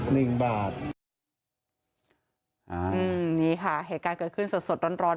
หนึ่งบาทอ่าอืมนี่ค่ะเหตุการณ์เกิดขึ้นสดสดร้อนร้อน